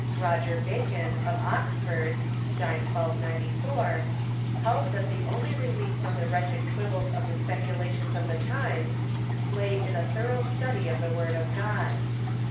Roger Bacon, of Oxford (died 1294), held that the only relief from the wretched quibbles of the speculations of the times lay in a thorough study of the word of God.